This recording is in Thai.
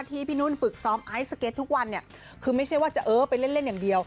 ที่พี่นุ่นฝึกซ้อมไอซ์สเก็ตทุกวันเนี่ยคือไม่ใช่ว่าจะเออไปเล่นเล่นอย่างเดียว